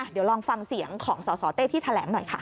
เดี๋ยวลองฟังเสียงของสสเต้ที่แถลงหน่อยค่ะ